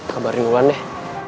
kabar lingkungan deh